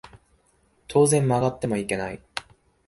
当然曲がってもいけない